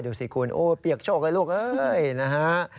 ดูสิคุณโอ้เปียกโชคเลยลูกเอ้ยนะฮะ